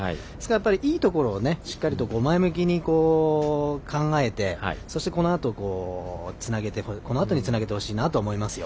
いいところを、しっかりと前向きに考えて、そしてこのあとに、つなげてほしいなと思いますよ。